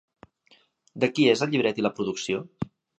De qui és el llibret i la producció?